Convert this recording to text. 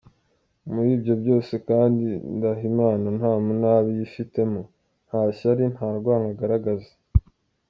Muri ibyo byose kandi, Ndahimana nta munabi yifitemo, nta shyali, nta rwango agaragaza.